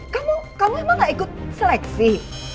kamu kamu emang gak ikut seleksi